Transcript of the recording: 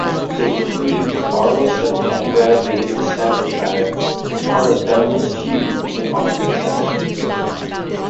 They included Barlaston and Bradley in Staffordshire and part of Duns Tew in Oxfordshire.